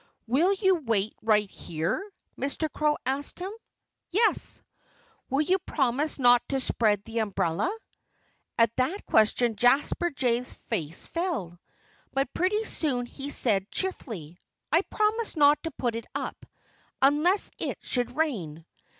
"Will you wait right here?" Mr. Crow asked him. "Yes!" "Will you promise not to spread the umbrella?" At that question Jasper Jay's face fell. But pretty soon he said cheerfully: "I promise not to put it up unless it should rain."